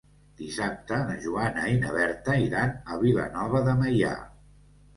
Dissabte na Joana i na Berta iran a Vilanova de Meià.